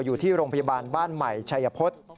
อยู่ที่โรงพยาบาลบ้านใหม่ชัยพฤษ